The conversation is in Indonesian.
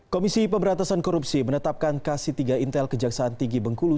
komisi pemberantasan korupsi menetapkan kc tiga intel kejaksaan tinggi bengkulu